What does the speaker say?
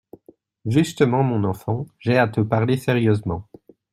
Justement, mon enfant, j’ai à te parler sérieusement !